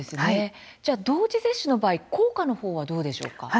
じゃあ、同時接種の場合効果の方はどうでしょうか？